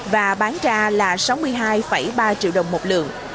và bán ra là sáu mươi hai ba triệu đồng một lượng